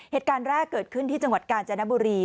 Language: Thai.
เหตุการณ์แรกเกิดขึ้นที่จังหวัดกาญจนบุรี